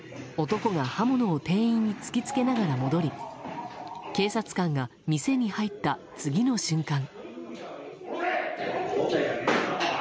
男が刃物を店員に突き付けながら戻り警察官が店に入った次の瞬間。